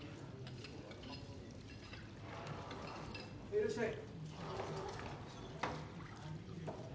・・いらっしゃい。